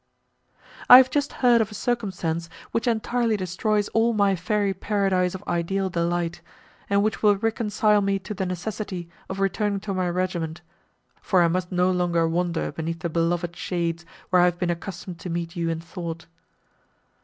"I have just heard of a circumstance, which entirely destroys all my fairy paradise of ideal delight, and which will reconcile me to the necessity of returning to my regiment, for I must no longer wander beneath the beloved shades, where I have been accustomed to meet you in thought.